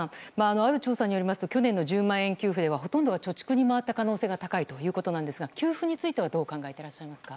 ある調査によりますと去年の１０万円給付ではほとんどが貯蓄に回った可能性が高いということですが給付はどう考えていますか。